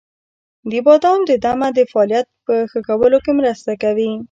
• بادام د دمه د فعالیت په ښه کولو کې مرسته کوي.